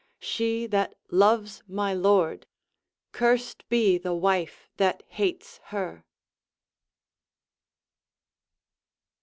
She that loves my lord, Cursed be the wife that hates her!